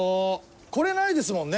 これないですもんね